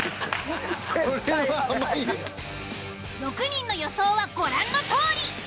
６人の予想はご覧のとおり。